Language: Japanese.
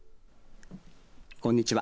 こんにちは。